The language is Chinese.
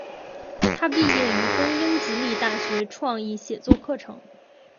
她毕业于东英吉利亚大学创意写作课程。